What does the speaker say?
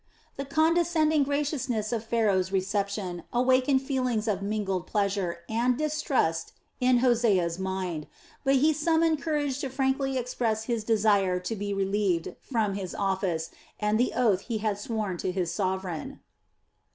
The condescending graciousness of Pharaoh's reception awakened feelings of mingled pleasure and distrust in Hosea's mind, but he summoned courage to frankly express his desire to be relieved from his office and the oath he had sworn to his sovereign.